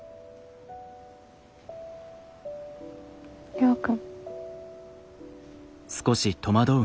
亮君。